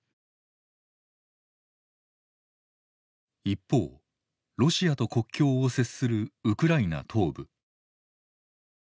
一方ロシアと国境を接するウクライナ東部。